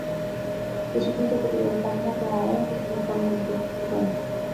এ সিদ্ধান্তের প্রতিবাদে কারখানার প্রায় আড়াই হাজার শ্রমিক কর্মবিরতি শুরু করেন।